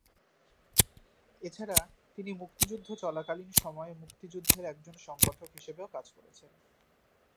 এছাড়া, তিনি মুক্তিযুদ্ধ চলাকালীন সময়ে মুক্তিযুদ্ধের একজন সংগঠক হিসেবেও কাজ করেছেন।